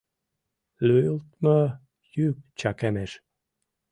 Лӱйылтмӧ йӱк чакемеш.